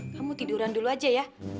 kamu tiduran dulu aja ya